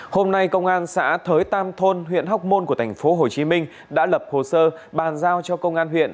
hôm nay công an xã thới tam thôn huyện hóc môn của tp hcm đã lập hồ sơ bàn giao cho công an huyện